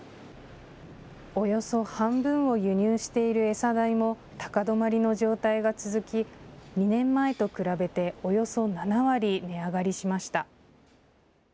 およそ半分を輸入している餌代も高止まりの状態が続き２年前と比べておよそ７割値上がりしました。